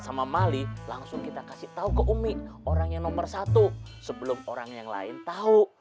sama mali langsung kita kasih tahu ke umi orang yang nomor satu sebelum orang yang lain tahu